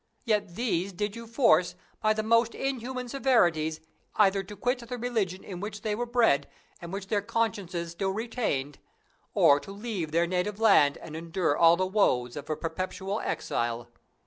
Yet these did you force, by the most inhuman severities, either to quit the religion in which they were bred, and which their consciences still retained, or to leave their native land, and endure all the woes of a perpetual exile.